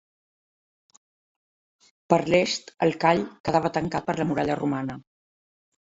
Per l'est, el call quedava tancat per la muralla romana.